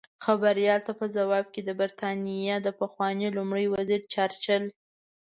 خبریال ته په ځواب کې د بریتانیا د پخواني لومړي وزیر چرچل